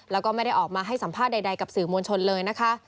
แล้วก็ไม่ได้ออกมาให้สัมภาษณ์ใดกับสื่อมวลชนเลยนะคะ